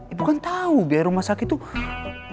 ibu kan tau biaya rumah sakit tuh